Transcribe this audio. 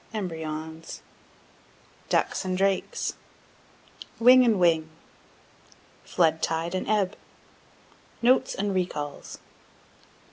Embryons, Ducks and Drakes, Wing and Wing, Flood Tide and Ebb, Notes and Recalles.